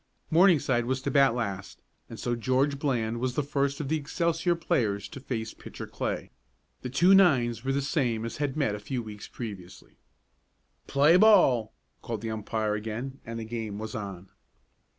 Morningside was to bat last and so George Bland was the first of the Excelsior players to face Pitcher Clay. The two nines were the same as had met a few weeks previously. "Play ball!" called the umpire again, and the game was on.